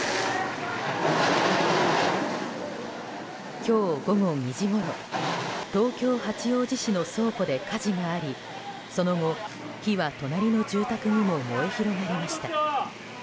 今日午後２時ごろ東京・八王子市の倉庫で火事がありその後、火は隣の住宅にも燃え広がりました。